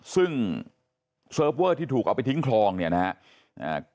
ซึ่งเซิร์ฟเวอร์ที่ถูกเอาไปทิ้งคลองเนี่ยนะครับ